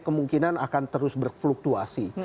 kemungkinan akan terus berfluktuasi